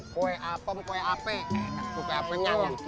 kue apem kue apenya